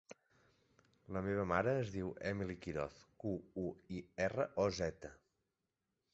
La meva mare es diu Emily Quiroz: cu, u, i, erra, o, zeta.